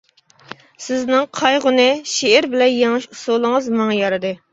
سىزنىڭ قايغۇنى شېئىر بىلەن يېڭىش ئۇسۇلىڭىز ماڭا يارىدى.